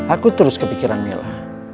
aku terus kepikiran mila